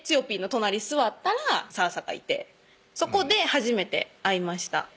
ぴーの隣座ったらさーさがいてそこで初めて会いました